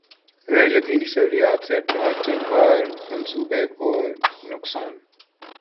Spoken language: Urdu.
غیریقینی صورتحال سے ڈاٹسن کار منصوبے کو نقصان